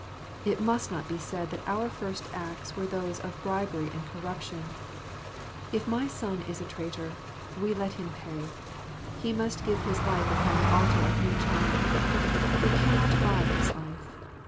It ust not be said that our first acts were those of bribery and corruption. If my son is a traitor, we let him pay. He must give his life upon the altar of new China. We cannot buy his life.